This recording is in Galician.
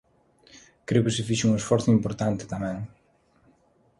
Creo que se fixo un esforzo importante tamén.